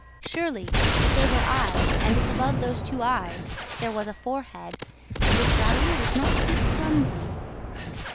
Surely, if they were eyes and if above those two eyes there was a forehead and if Raoul was not too clumsy